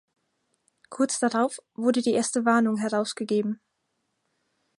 Kurz darauf wurde die erste Warnung herausgegeben.